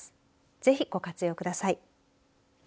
ぜひご活用ください。